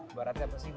ibaratnya apa sih